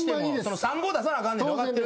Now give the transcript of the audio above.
３５出さなあかんねんって分かってる？